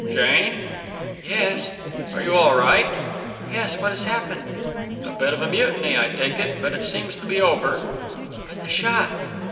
"Jane?" "Yes!" "Are you all right?" "Yes, what has happened?" "A bit of mutiny, I take it; but it seems to be over." "But the shot!"